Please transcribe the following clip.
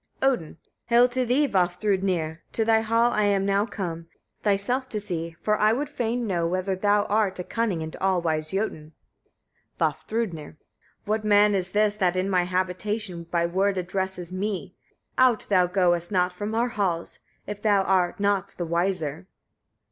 Odin. 6. Hail to thee, Vafthrûdnir! to thy hall I am now come, thyself to see; for I fain would know, whether thou art a cunning and all wise Jötun. Vafthrûdnir. 7. What man is this, that in my habitation by word addresses me? Out thou goest not from our halls, if thou art not the wiser.